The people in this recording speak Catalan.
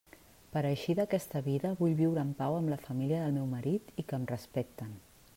Per a eixir d'aquesta vida vull viure en pau amb la família del meu marit i que em respecten.